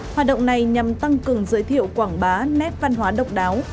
hoạt động này nhằm tăng cường giới thiệu quảng bá nét văn hóa độc đáo